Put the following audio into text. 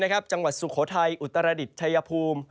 บริเวณจังหวัดสุโฆไทอุตสระดิษฐ์ไทยภูมิ